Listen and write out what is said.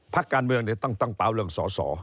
พักการเมืองต้องตั้งเป้าเรื่องสอสอ